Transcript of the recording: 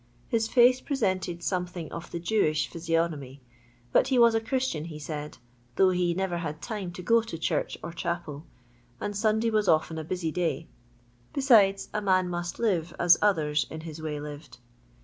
His face presented something of the Jewish physio gnomy, but he was a Christian, he said, though ho never had time to go to church or chapel, and Sunday was often a busy day ; besides, a man must live as others in his wny lived.